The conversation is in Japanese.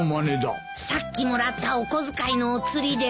さっきもらったお小遣いのお釣りです。